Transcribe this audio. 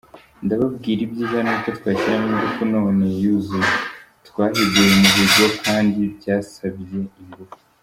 Ndababwira ibyiza nuko twashyiramo ingufu none yuzuye, twahiguye umuhigo kandi byasabye ingufu.